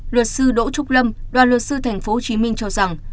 luật sư đỗ trúc lâm đoàn luật sư tp hồ chí minh cho rằng